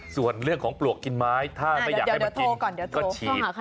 ส่วนเรื่องของปลวกกินไม้ถ้าไม่อยากให้มากินก็ฉีด